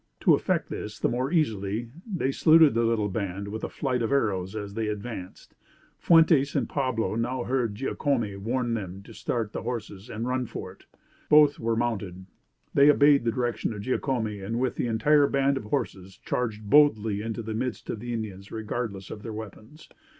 To effect this the more easily, they saluted the little band with a flight of arrows as they advanced. Fuentes and Pablo now heard Giacome warning them to start the horses and run for it. Both were mounted. They obeyed the directions of Giacome and with the entire band of horses charged boldly into the midst of the Indians regardless of their weapons.